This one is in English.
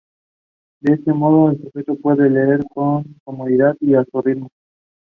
The losing team was eliminated from the competition.